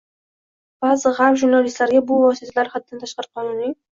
ba’zi g‘arb jurnalistlariga bu vositalar haddan tashqari qonuniy